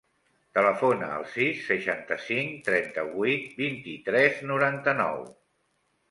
Telefona al sis, seixanta-cinc, trenta-vuit, vint-i-tres, noranta-nou.